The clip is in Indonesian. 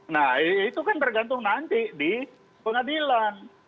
nah itu kan tergantung nanti di pengadilan